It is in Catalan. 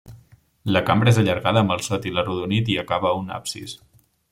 La cambra és allargada amb el sòtil arrodonit i acaba a un absis.